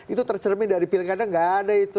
itu tercermin dari pilihannya gak ada itu